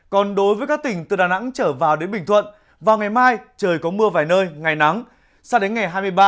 còn đối với các tỉnh từ đà nẵng trở vào đến bình thuận vào ngày mai trời có mưa vài nơi ngày nắng